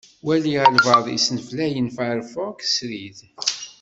Wali albaɛḍ i yesneflayen Firefox srid.